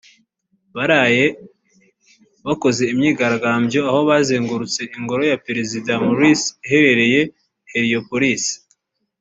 baraye bakoze imyigaragambyo aho bazengurutse ingoro ya perezida Morsi iherereye Héliopolis